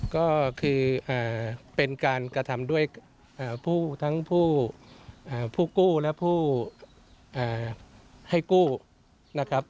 ก็คือเป็นการกระทำด้วยผู้ทั้งผู้กู้และผู้ให้กู้นะครับ